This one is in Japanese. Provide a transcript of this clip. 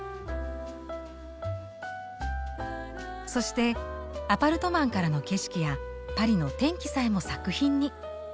そしてアパルトマンからの景色やパリの天気さえも作品に。